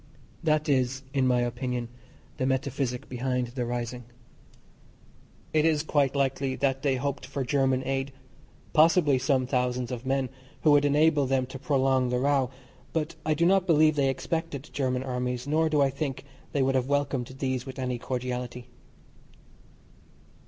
That is, in my opinion, the metaphysic behind the rising. It is quite likely that they hoped for German aid, possibly some thousands of men, who would enable them to prolong the row, but I do not believe they expected German armies, nor do I think they would have welcomed these with any cordiality.